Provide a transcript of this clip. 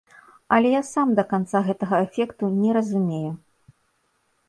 Але я сам да канца гэтага эфекту не разумею.